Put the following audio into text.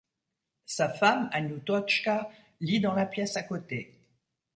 Sa femme Anioutotchka lit dans la pièce à côté.